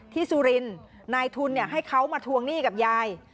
ที่สุรินนายทุนเนี่ยให้เขามาทวงหนี้กับยาย